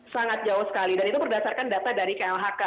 sangat jauh sekali dan itu berdasarkan data dari klhk